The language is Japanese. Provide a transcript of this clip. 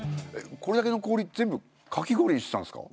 これだけの氷全部かき氷にしてたんですか？